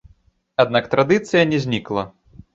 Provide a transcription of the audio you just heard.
Аднак традыцыя не знікла.